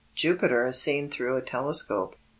JUPITER AS SEEN THROUGH A TELESCOPE.